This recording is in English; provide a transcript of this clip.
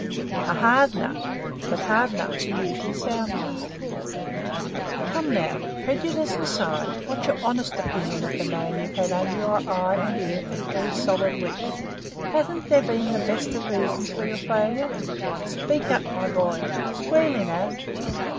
A hard nut; but hard nuts are usually sound ones. Come, now! prejudice aside, what's your honest opinion of the man you've had under your eye and ear for three solid weeks? Hasn't there been the best of reasons for your failure? Speak up, my boy. Squarely, now."